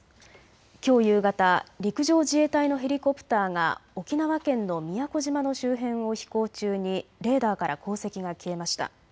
きょう夕方、陸上自衛隊のヘリコプターが沖縄県の宮古島の周辺を飛行中にレーダーから航跡が消えました。